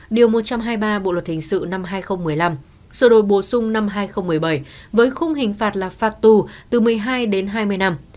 điều một trăm hai mươi ba bộ luật hình sự năm hai nghìn một mươi năm sửa đổi bổ sung năm hai nghìn một mươi bảy với khung hình phạt là phạt tù từ một mươi hai đến hai mươi năm